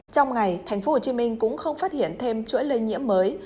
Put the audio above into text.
trong ngày tp hcm cũng không phát hiện thêm chuỗi lây nhiễm mới